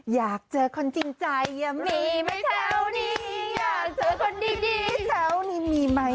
อยากเจอคนจริงใจมีไหมแถวนี้อยากเจอคนดีแถวนี้มีไหม